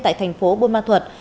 tại thành phố buôn ma thuật